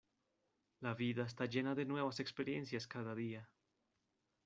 La vida está llena de nuevas experiencias cada día.